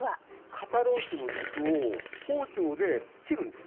肩ロースの肉を包丁で切るんです。